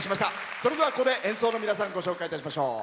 それでは、ここで演奏の皆さんご紹介いたしましょう。